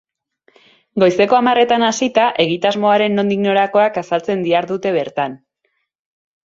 Goizeko hamarretan hasita, egitasmoaren nondik norakoak azaltzen dihardute bertan.